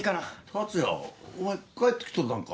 達也お前帰ってきとったんか。